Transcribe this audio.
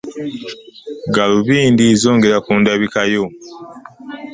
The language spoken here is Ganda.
Galuubindi zongera kundabika yo.